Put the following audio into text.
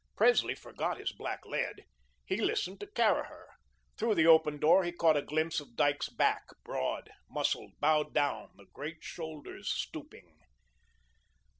Presley forgot his black lead. He listened to Caraher. Through the open door he caught a glimpse of Dyke's back, broad, muscled, bowed down, the great shoulders stooping.